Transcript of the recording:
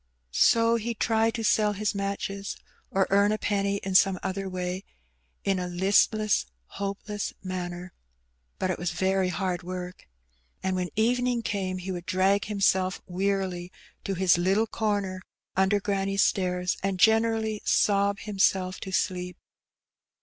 So he tried to sell his matches or earn a penny in some other way in a listless, hopeless manner. But it was very hard work. And when evening came he would drag him self wearily to his little corner under granny's stairs, and generally sob himself to sleep.